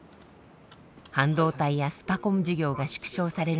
半導体やスパコン事業が縮小される